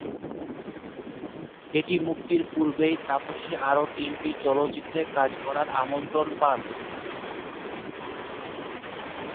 এটি মুক্তির পূর্বেই তাপসী আরও তিনটি চলচ্চিত্রে কাজ করার আমন্ত্রণ পান।